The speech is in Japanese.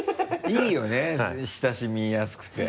いいよね親しみやすくて。